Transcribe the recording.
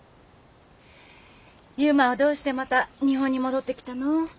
悠磨はどうしてまた日本に戻ってきたの？